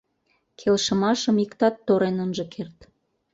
Келшымашым иктат торен ынже керт.